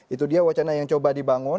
itu dia wacana yang coba dibangun